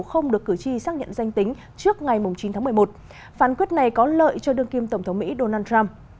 không được cử tri xác nhận danh tính trước ngày chín tháng một mươi một phán quyết này có lợi cho đương kim tổng thống mỹ donald trump